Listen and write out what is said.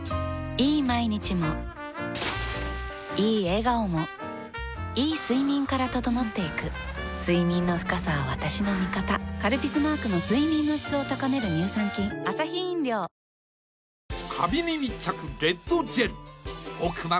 いい毎日もいい笑顔もいい睡眠から整っていく睡眠の深さは私の味方「カルピス」マークの睡眠の質を高める乳酸菌「和紅茶」が無糖なのは、理由があるんよ。